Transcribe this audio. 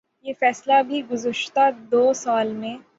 یہ فیصلہ بھی گزشتہ دو سال میں